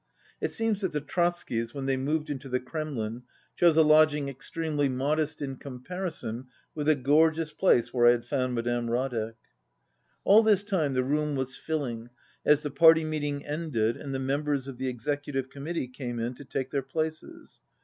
It seems that the Trotskys, when they moved into the Kremlin, chose a lodging ex tremely modest in comparison with the gorgeous place where I had found Madame Radek. All this time the room was filling, as the party meeting ended and the members of the Executive Committee came in to take their places.